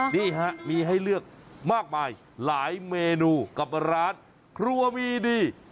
นี่ฮะมีให้เลือกมากมายหลายเมนูกับร้านครัวมีดี